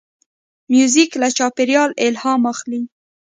موزیک له چاپېریال الهام اخلي.